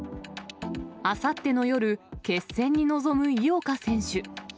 あさっての夜、決戦に臨む井岡選手。